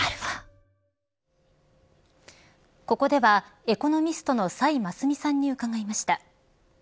ここではエコノミストの崔真淑さんに伺いました。